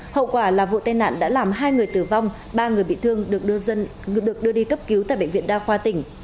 hậu quả là vụ tai nạn đã làm hai người tử vong ba người bị thương được đưa đi cấp cứu tại bệnh viện đa khoa tỉnh